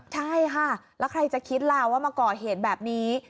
ใช่ค่ะแล้วใครจะคิดล่ะว่ามาก่อเหตุแบบนี้